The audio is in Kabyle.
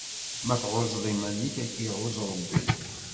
Ma tɛuzzeḍ iman-ik, ad k-iɛuzz Ṛebbi.